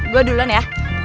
gue duluan ya